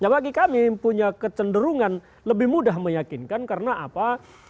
bagi kami punya kecenderungan lebih mudah meyakinkan karena apa